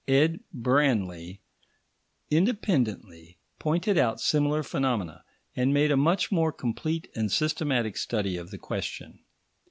Ed. Branly independently pointed out similar phenomena, and made a much more complete and systematic study of the question.